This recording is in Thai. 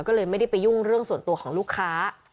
ก็เลยไม่ได้ไปยุ่งเรื่องส่วนตัวของลูกค้า